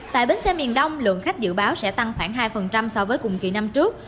tại bến xe miền đông lượng khách dự báo sẽ tăng khoảng hai so với cùng kỳ năm trước